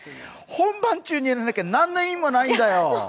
本番中にやらなきゃ、何の意味もないんだよ。